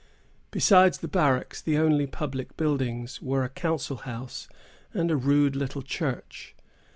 Besides the barracks, the only public buildings were a council house and a rude little church.